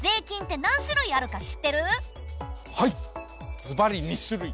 ずばり２種類！